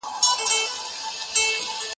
موږ ته په کار ده چي مځکه زرغونه کړو.